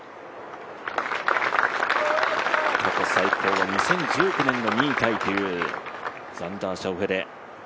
過去最高は２０１９年に２位タイというザンダー・シャウフェレ。